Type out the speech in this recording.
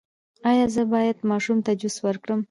ایا زه باید ماشوم ته جوس ورکړم؟